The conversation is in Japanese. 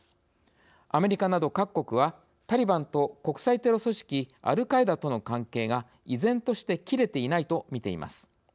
アメリカなど各国は、タリバンと国際テロ組織アルカイダとの関係が依然として切れていないと見ています。